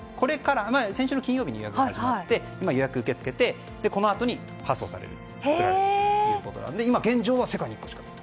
先週金曜日に予約が始まって今、受け付け中でこのあとに発送されるということで今現状は世界に１個しかない。